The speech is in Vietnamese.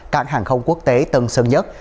cạn hàng không quốc tế tân sân nhất